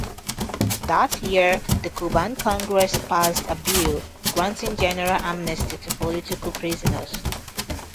That year, the Cuban Congress passed a bill granting general amnesty to political prisoners.